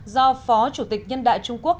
do phó chủ tịch nhân đại trung quốc